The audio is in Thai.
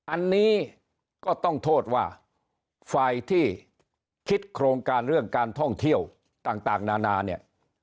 อันนี้ก็ต้องโทษว่าฝ่ายที่คิดโครงการเรื่องการท่องเที่ยวต่างนานาเนี่ย